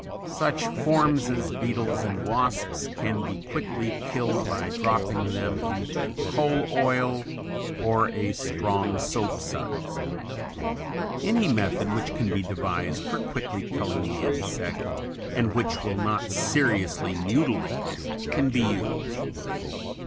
Such forms as beetles and wasps can be quickly killed by dropping them into coal oil or a strong soap suds. Any method which can be devised for quickly killing the insect, and which will not seriously mutilate it, can be used.